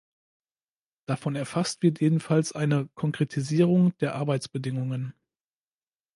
Davon erfasst wird jedenfalls eine Konkretisierung der Arbeitsbedingungen.